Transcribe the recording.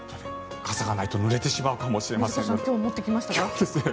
傘がないとぬれてしまうかもしれません。